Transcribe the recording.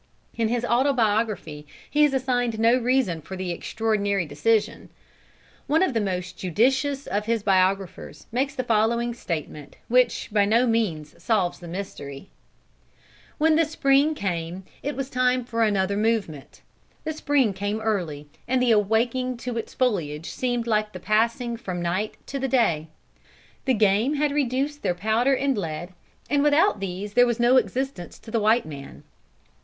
In his autobiography he has assigned no reason for the extraordinary decision. One of the most judicious of his biographers makes the following statement which by no means solves the mystery: "When the spring came it was time for another movement. The spring came early, and the awaking to its foliage seemed like the passing from night to the day. The game had reduced their powder and lead, and without these there was no existence to the white man.